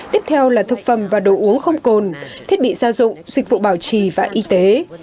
tiếp theo là thực phẩm và đồ uống không cồn thiết bị gia dụng dịch vụ bảo trì và y tế